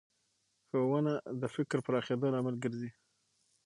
ښوونه د فکر پراخېدو لامل ګرځي